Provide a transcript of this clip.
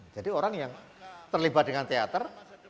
jadi orang yang terlibat dengan teater